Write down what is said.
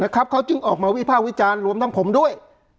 เขาจึงออกมาวิภาควิจารณ์รวมทั้งผมด้วย